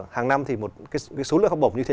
hàng năm thì một số lượng học bổng như thế